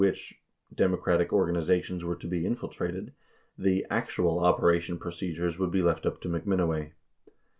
193 which Democratic organizations were to be infiltrated, the "actual operation procedures" would be left up to McMinoway.